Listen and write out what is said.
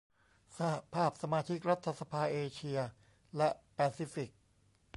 สหภาพสมาชิกรัฐสภาเอเชียและแปซิฟิก